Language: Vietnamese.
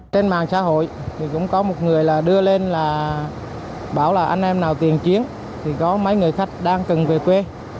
trên mạng xã hội thì cũng có một người là đưa lên là bảo là anh em nào tiền chiến thì có mấy người khách đang cần về quê